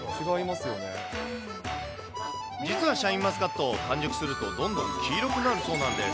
実はシャインマスカット、完熟するとどんどん黄色くなるそうなんです。